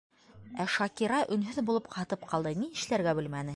Ә Шакира өнһөҙ булып ҡатып ҡалды, ни эшләргә белмәне.